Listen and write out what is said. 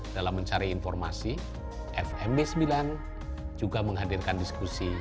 dalam mencari informasi fmb sembilan juga menghadirkan diskusi